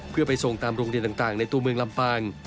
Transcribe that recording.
เพื่อไปส่งตามโรงเรียนต่างในตัวเมืองลำปาง